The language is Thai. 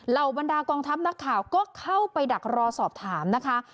บรรดากองทัพนักข่าวก็เข้าไปดักรอสอบถามนะคะ